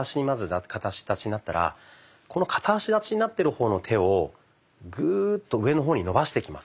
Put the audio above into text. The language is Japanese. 片足立ちになったらこの片足立ちになってる方の手をグーッと上の方に伸ばしていきます。